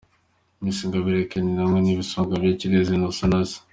Miss Ingabire Kenny hamwe n'ibisonga bye Kirezi na Usanase.